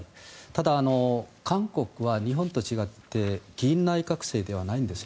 ただ、韓国は日本と違って議院内閣制ではないんです。